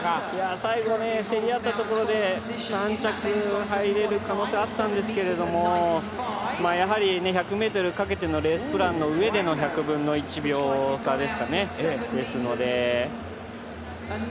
最後、競り合ったところで３着に入れる可能性があったんですけれど、１００ｍかけてのレースプランの上での１００分の１秒差ですかね。